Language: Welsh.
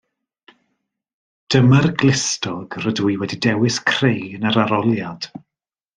Dyma'r glustog rydw i wedi dewis creu yn yr arholiad